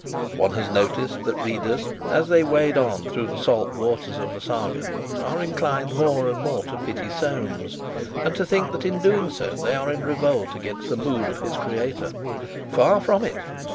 One has noticed that readers, as they wade on through the salt waters of the Saga, are inclined more and more to pity Soames, and to think that in doing so they are in revolt against the mood of his creator. Far from it!